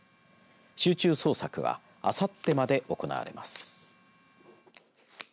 集中捜索はあさってまで行われます。